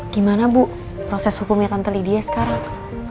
gimana bu proses hukumnya tante lydia sekarang